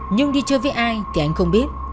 nhưng đi chơi với ai thì anh không biết